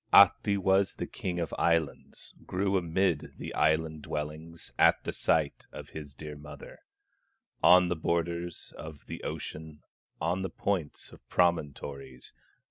Ahti was the king of islands, Grew amid the island dwellings, At the site of his dear mother, On the borders of the ocean, On the points of promontories.